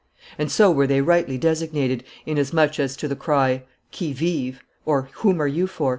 And so were they rightly designated, inasmuch as to the cry, 'Qui vive?' (Whom are you for?)